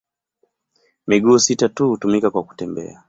Miguu sita tu hutumika kwa kutembea.